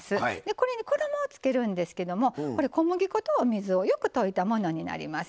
これに衣をつけるんですけども小麦粉とお水をよく溶いたものになります。